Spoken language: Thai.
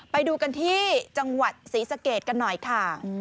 ไปดูกันที่จังหวัดศรีสะเกดกันหน่อยค่ะ